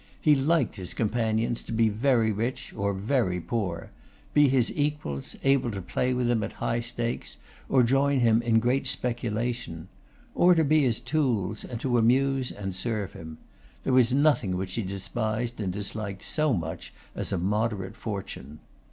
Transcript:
He liked his companions to be very rich or very poor; be his equals, able to play with him at high stakes, or join him in a great speculation; or to be his tools, and to amuse and serve him. There was nothing which he despised and disliked so much as a moderate fortune.